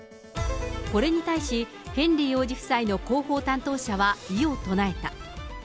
これに対し、ヘンリー王子夫妻の広報担当者は異を唱えた。